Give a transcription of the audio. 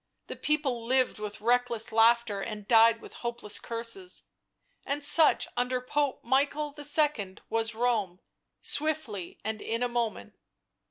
The people lived with reckless laughter and died with hopeless curses. And such under Pope Michael II. was Rome, swiftly and in a moment.